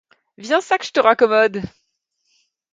Viens ça que ie te raccommode!